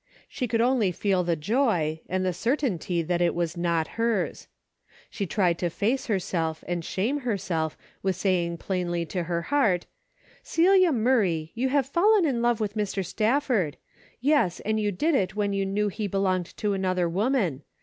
She could only feel the joy, and the certainty that it was not hers. She tried to face herself and shame herself with saying plainly to her heart, "Celia Murray, you have fallen in love with Mr. Stafford. Yes, and you did it when you knew he belonged to another woman.